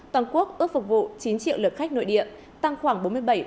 toàn quốc ước phục vụ chín triệu lượt khách nội địa tăng khoảng bốn mươi bảy